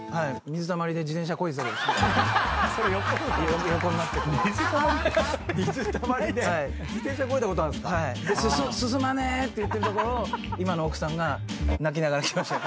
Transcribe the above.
水たまりで自転車こいだことあるんですか⁉進まねえって言ってるところを今の奥さんが泣きながら来ました。